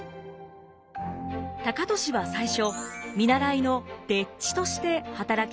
高利は最初見習いの丁稚として働き始めます。